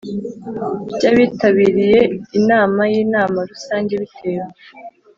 By abitabiriye inama y inama rusange bitewe